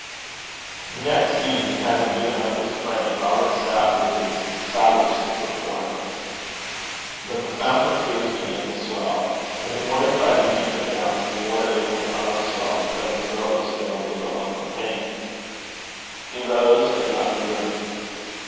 The next evening, having given up his praying, Robert sat with his Sallust before him. But the fount of tears began to swell, and the more he tried to keep it down, the more it went on swelling till his throat was filled with a lump of pain. He rose and left the room.